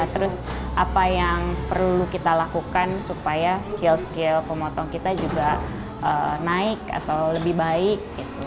terus apa yang perlu kita lakukan supaya skill skill pemotong kita juga naik atau lebih baik